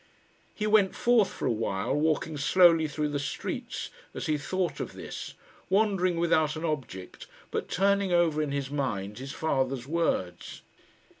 He went forth for a while, walking slowly through the streets, as he thought of this, wandering without an object, but turning over in his mind his father's words.